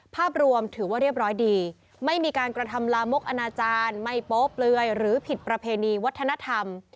ภาพรวมถือว่าเรียบร้อยดีไม่มีการกระทำลามกอนาจารย์ไม่โป๊เปลือยหรือผิดประเพณีวัฒนธรรม